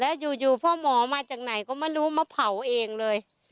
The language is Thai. แล้วอยู่พ่อหมอมาจากไหนก็ไม่รู้มาเผาเองเลย